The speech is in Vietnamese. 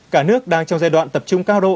cả nước đang trong giai đoạn tập trung cao độ